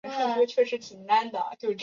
就是那种脾气的人